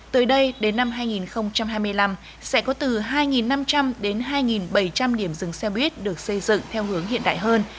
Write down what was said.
tới đây đến năm hai nghìn hai mươi năm sẽ có từ hai năm trăm linh đến hai bảy trăm linh điểm dừng xe buýt được xây dựng theo hướng hiện đại hơn